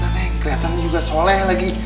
neng keliatan juga soleh lagi